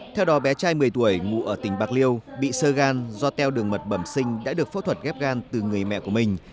theo đó bé trai một mươi tuổi ngụ ở tỉnh bạc liêu bị sơ gan do teo đường mật bẩm sinh đã được phẫu thuật ghép gan từ người mẹ của mình